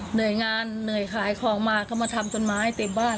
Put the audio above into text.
เหนื่อยงานเหนื่อยขายของมาก็มาทำต้นไม้เต็มบ้าน